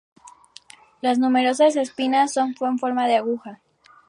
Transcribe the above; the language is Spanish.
Las numerosas espinas son en forma de aguja.